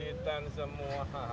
itu editan semua